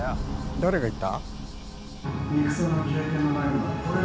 「誰が言った」。